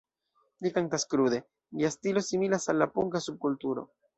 Li kantas krude, lia stilo similas al la punka subkulturo.